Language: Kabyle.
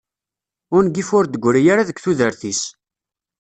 Ungif ur d-gri ara deg tudert-is.